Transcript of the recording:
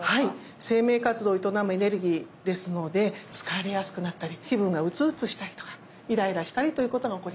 生命活動を営むエネルギーですので疲れやすくなったり気分が鬱々したりとかイライラしたりということが起こります。